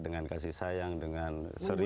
dengan kasih sayang dengan seri